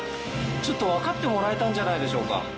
ちょっと分かってもらえたんじゃないでしょうか。